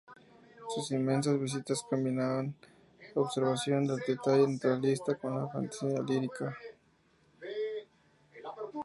Sus inmensas vistas combinaban observación del detalle naturalista con la fantasía lírica.